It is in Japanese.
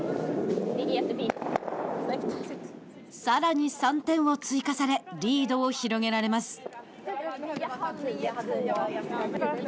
さらに３点を追加されリードを広げられます。